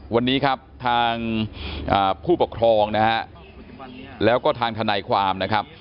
วันนี้ครับทางผู้ปกครองนะฮะแล้วก็ทางทนายความนะครับ